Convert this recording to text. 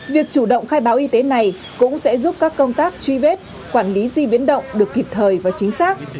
việc chủ động khai báo y tế này cũng sẽ giúp các công tác truy vết quản lý di biến động được kịp thời và chính xác